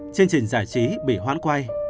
chương trình giải trí bị hoãn quay